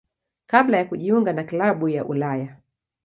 kabla ya kujiunga na klabu ya Ulaya.